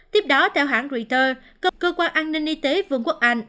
tiếp đó theo hãng reuters cập cơ quan an ninh y tế vương quốc anh